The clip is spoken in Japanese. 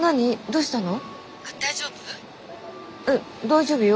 え大丈夫よ。